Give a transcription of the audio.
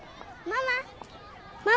ママ。